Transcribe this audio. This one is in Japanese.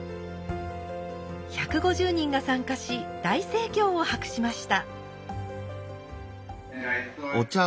１５０人が参加し大盛況を博しました。